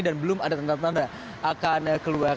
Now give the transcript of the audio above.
dan belum ada tanda tanda akan keluar